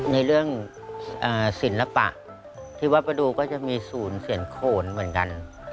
ในเรื่องศิลปะที่วัดประดูกก็จะมีศูนย์เสียนโขนเหมือนกัน